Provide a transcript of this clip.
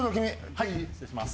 はい失礼します。